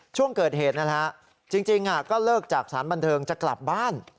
ช่วงเกิดเหตุนะฮะจริงก็เลิกจากสารบันเทิงจะกลับบ้าน